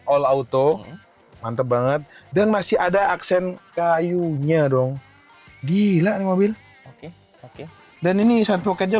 all auto mantep banget dan masih ada aksen kayunya dong gila nih mobil oke dan ini sarvocal